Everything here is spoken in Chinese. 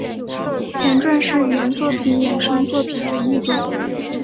前传是原作品衍生作品的一种。